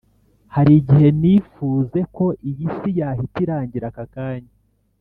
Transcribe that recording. Hari igihe nifuze ko iyi si yahita irangira aka kanya